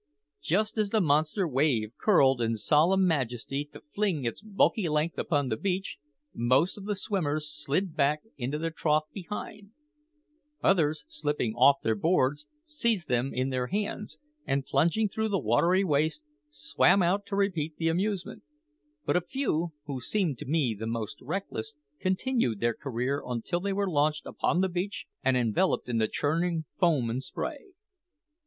Just as the monster wave curled in solemn majesty to fling its bulky length upon the beach, most of the swimmers slid back into the trough behind; others, slipping off their boards, seized them in their hands, and plunging through the watery waste, swam out to repeat the amusement; but a few, who seemed to me the most reckless, continued their career until they were launched upon the beach and enveloped in the churning foam and spray.